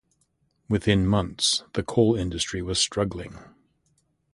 Within months the coal industry was struggling.